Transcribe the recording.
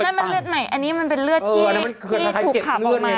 มันเลือดใหม่อันนี้มันเป็นเลือดที่ถูกขับออกมา